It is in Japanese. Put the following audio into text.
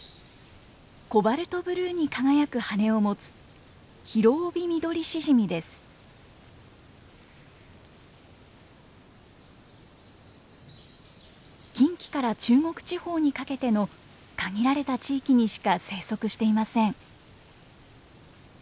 コバルトブルーに輝く羽を持つ近畿から中国地方にかけての限られた地域にしか生息していません。